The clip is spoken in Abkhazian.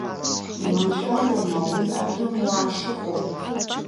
Иманшәалоума уи атәымуаа шыҟоу?